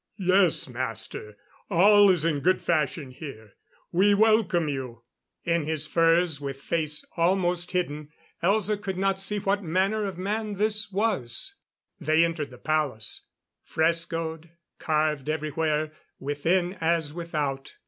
"Yes, Master. All is in good fashion here. We welcome you." In his furs, with face almost hidden, Elza could not see what manner of man this was. They entered the palace. Frescoed; carved everywhere, within as without.